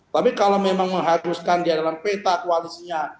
tapi kalau memang mengharuskan dia dalam peta koalisinya